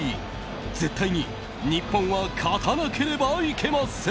絶対に日本は勝たなければいけません。